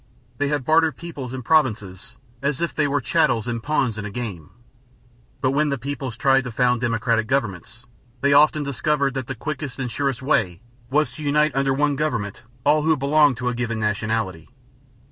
They had bartered peoples and provinces "as if they were chattels and pawns in a game." But when the peoples tried to found democratic governments, they often discovered that the quickest and surest way was to unite under one government all who belonged to a given nationality.